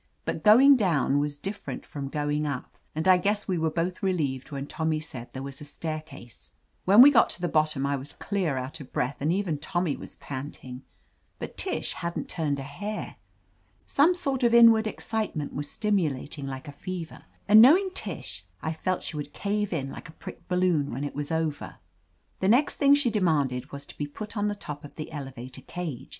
But going down was different from going up, and I guess we were both relieved when Tommy said there was a staircase. When we got to the bottom, I was clear out of breath, and even Tommy was panting. But Tish hadn't turned a hair. Some sort of in ward excitement was stimulating like a fever, and knowing Tish, I felt she would cave in like a pricked balloon when it was over. The next thing she demanded was to be put on the top of the elevator cage.